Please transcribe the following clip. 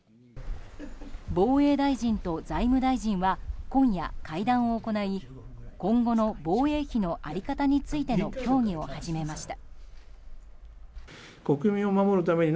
防衛大臣と財務大臣は今夜、会談を行い今後の防衛費の在り方についての協議を始めました。